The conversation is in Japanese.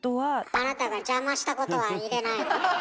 あなたが邪魔したことは入れないの？